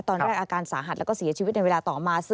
อาการสาหัสแล้วก็เสียชีวิตในเวลาต่อมา